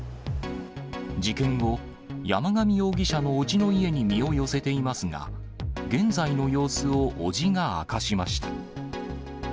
事件後、山上容疑者の伯父の家に身を寄せていますが、現在の様子を伯父が明かしました。